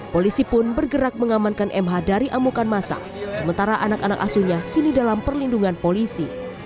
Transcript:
polisi pun bergerak mengamankan mh dari amukan masa sementara anak anak asunya kini dalam perlindungan polisi